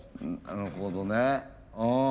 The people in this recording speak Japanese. なるほどねうん。